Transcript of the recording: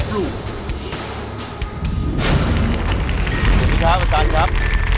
สวัสดีครับอุทยานครับ